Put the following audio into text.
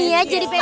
iya jadi bening